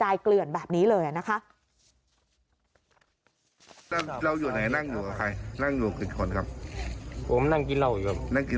แล้วขวดเกิดมารอยมาได้อย่างไร